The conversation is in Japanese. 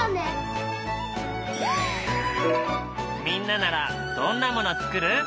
みんなならどんなもの作る？